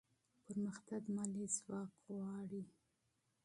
پرمختګ مالي ځواک غواړي.